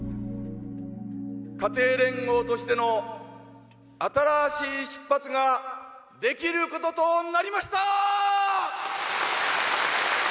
家庭連合としての新しい出発ができることとなりましたー！